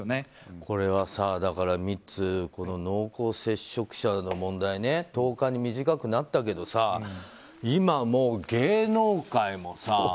これはだからミッツ濃厚接触者の問題ね１０日に短くなったけど今もう、芸能界もさ。